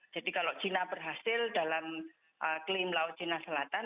jadi kalau china berhasil dalam klaim laut china selatan